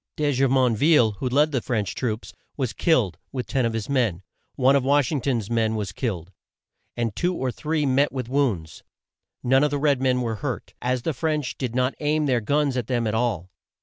De Ju mon ville, who led the French troops, was killed, with ten of his men. One of Wash ing ton's men was killed, and two or three met with wounds. None of the red men were hurt, as the French did not aim their guns at them at all.